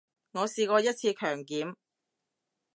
我試過一次強檢